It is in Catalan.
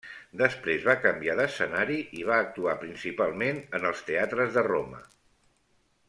Després va canviar d'escenari i va actuar principalment en els teatres de Roma.